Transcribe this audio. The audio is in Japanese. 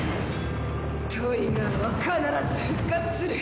トリガーは必ず復活する！